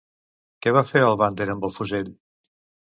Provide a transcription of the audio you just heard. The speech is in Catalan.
Què va fer el bander amb el fusell?